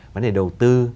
vấn đề đầu tư